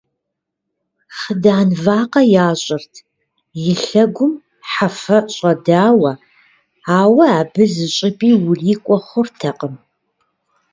Хъыдан вакъэ ящӀырт, и лъэгум хьэфэ щӀэдауэ, ауэ абы зыщӀыпӀи урикӀуэ хъуртэкъым.